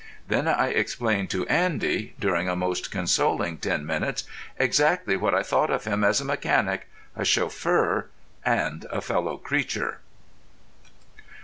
Then I explained to Andy, during a most consoling ten minutes, exactly what I thought of him as a mechanic, a chauffeur, and a fellow creature.